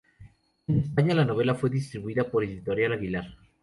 En España la novela fue distribuida por Editorial Aguilar.